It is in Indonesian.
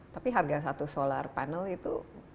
tapi harga satu solar panel itu